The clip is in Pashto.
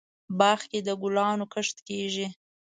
باغ کې دګلانو کښت کیږي